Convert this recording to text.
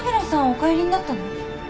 お帰りになったの？